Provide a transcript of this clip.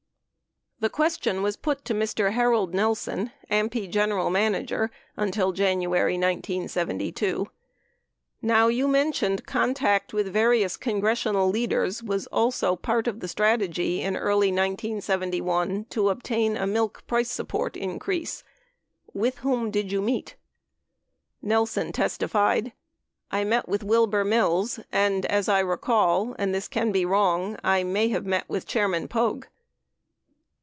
11 The question was put to Mr. Harold Nelson, AMPI general manager until January, 1972, "Now you mentioned ... contact with various Congressional leaders ... was also part of the strategy in early 1971 to obtain a milk price support increase ... With whom did you meet?" Nelson testified, "I met with Wilbur Mills and — as I recall — and this can be wrong — I may have met with Chairman Poage.